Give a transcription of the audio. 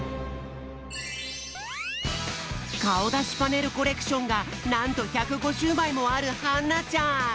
かおだしパネルコレクションがなんと１５０まいもあるはんなちゃん。